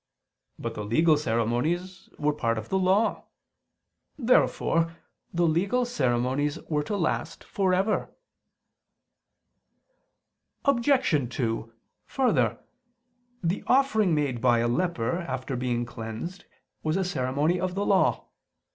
But the legal ceremonies were part of the Law. Therefore the legal ceremonies were to last for ever. Obj. 2: Further, the offering made by a leper after being cleansed was a ceremony of the Law.